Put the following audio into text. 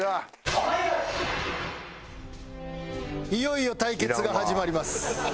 いよいよ対決が始まります。